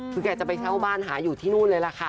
คือแกจะไปเช่าบ้านหาอยู่ที่นู่นเลยล่ะค่ะ